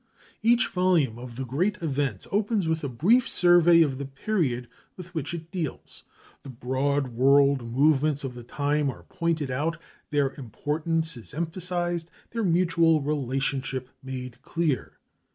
Each volume of THE GREAT EVENTS opens with a brief survey of the period with which it deals. The broad world movements of the time are pointed out, their importance is emphasized, their mutual relationship made clear.